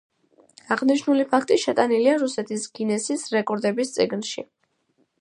აღნიშნული ფაქტი შეტანილია რუსეთის გინესის რეკორდების წიგნში.